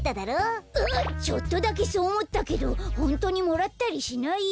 ちょっとだけそうおもったけどほんとにもらったりしないよ。